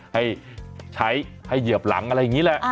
ให้ใช้ให้เหยียบหลังอะไรอย่างนี้แหละ